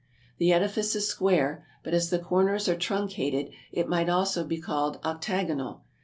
The edifice is square, but as the corners are truncated it might also be called octagonal.